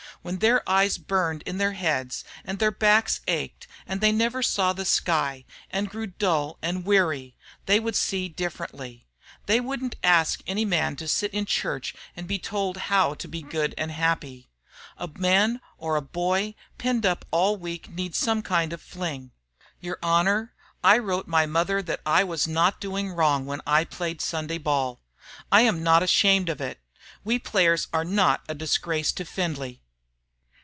When their eyes burned in their heads, and their backs ached, and they never saw the sky, and grew dull and weary, they would see differently. They wouldn't ask any man to sit in church and be told how to be good and happy. A man or a boy penned up all the week needs some kind of a fling. Your Honor, I wrote my mother that I was not doing wrong when I played Sunday ball. I am not ashamed of it. We players are not a disgrace to Findlay."